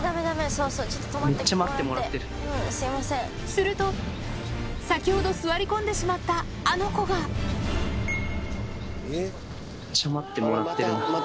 すると先ほど座り込んでしまったあの子がめっちゃ待ってもらってるな。